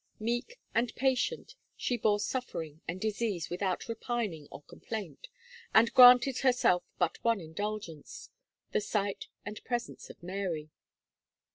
Meek and patient she bore suffering and disease without repining or complaint, and granted herself but one indulgence: the sight and presence of Mary.